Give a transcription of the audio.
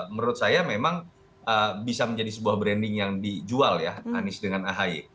menurut saya memang bisa menjadi sebuah branding yang dijual ya anies dengan ahy